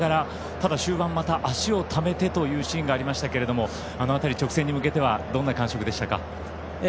ただ、終盤、また脚をためてというシーンがありましたけどあの辺り、直線に向けてはどんな感触でしたか？